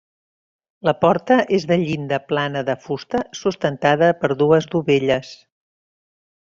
La porta és de llinda plana de fusta sustentada per dues dovelles.